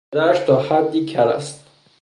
پدرش تا حدی کر است.